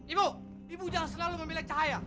ibu ibu jangan selalu memilih cahaya